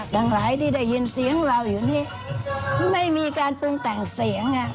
หลายที่ได้ยินเสียงเราอยู่นี่ไม่มีการตึงแต่งเสียง